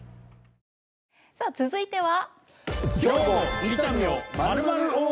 さあ続いては。